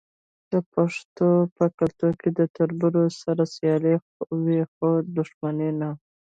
د پښتنو په کلتور کې د تربور سره سیالي وي خو دښمني نه.